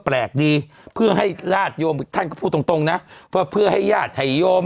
แปลกดีเพื่อให้ญาติโยมท่านก็พูดตรงตรงนะเพื่อให้ญาติให้โยม